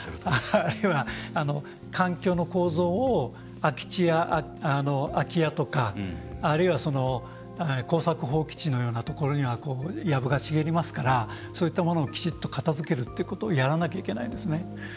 あるいは、環境の構造を空き地や空き家とかあるいは耕作放棄地のようなところにはやぶがしげりますからそういったものをきちっと片づけるということをやらなきゃいけないんですね。